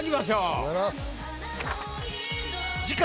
ありがとうございます。